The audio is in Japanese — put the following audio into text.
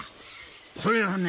これはね